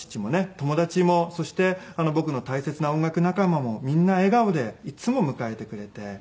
友達もそして僕の大切な音楽仲間もみんな笑顔でいつも迎えてくれて。